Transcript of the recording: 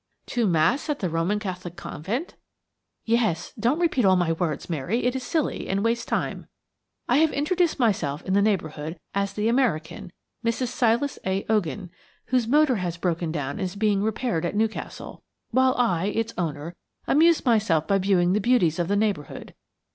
"To Mass at the Roman Catholic convent?" "Yes. Don't repeat all my words, Mary; it is silly, and wastes time. I have introduced myself in the neighbourhood as the American, Mrs. Silas A. Ogen, whose motor has broken down and is being repaired at Newcastle, while I, its owner, amuse myself by viewing the beauties of the neighbourhood.